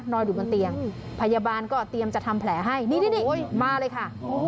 อยู่บนเตียงพยาบาลก็เตรียมจะทำแผลให้นี่มาเลยค่ะ